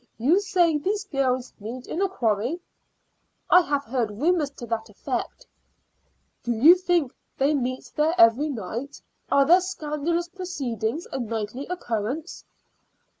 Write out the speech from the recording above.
You say these girls meet in a quarry?" "I have heard rumors to that effect." "Do you think they meet there every night? Are their scandalous proceedings a nightly occurrence?"